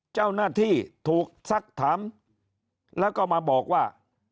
เจ้าหน้าที่ถูกซักถามแล้วก็มาบอกว่า